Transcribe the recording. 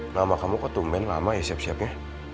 nama kamu kok tumben lama ya siap siapnya